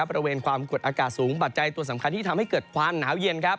บริเวณความกดอากาศสูงปัจจัยตัวสำคัญที่ทำให้เกิดความหนาวเย็นครับ